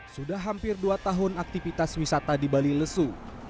sudah hampir dua tahun aktivitas wisata di bali lesu